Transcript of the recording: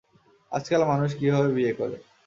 আজকাল মানুষ কিভাবে বিয়ে করে?